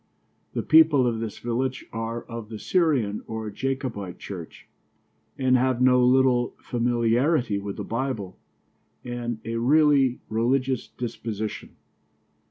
The people of this village are of the Syrian or Jacobite church, and have no little familiarity with the Bible and a really religious disposition.